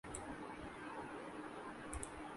وُہ تحیّر جو تُمھیں لے کے یہاں آیا تھا